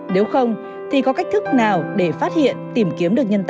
nếu không thì có cách thức nào để phát hiện tìm kiếm được nhân tài